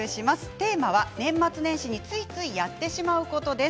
テーマは年末年始についついやってしまうことです。